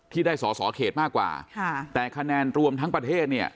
ที่ได้สอสอเขตมากกว่าค่ะแต่คะแนนรวมทั้งประเทศเนี่ย